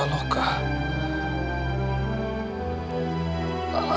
atau petunjuk tentang para inye